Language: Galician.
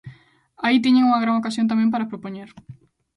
Aí tiñan unha gran ocasión tamén para propoñer.